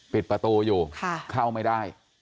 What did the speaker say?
ปิดประตูอยู่เข้าไม่ได้